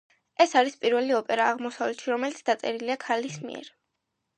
ეს არის პირველი ოპერა აღმოსავლეთში, რომელიც დაწერილია ქალის მიერ.